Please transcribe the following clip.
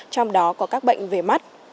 trong đó có các bệnh về mắt